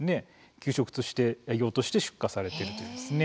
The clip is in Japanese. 給食として営業として出荷されているということです。